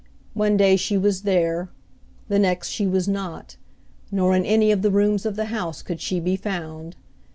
One day she was there, the next she was not, nor in any of the rooms of the house could she be found.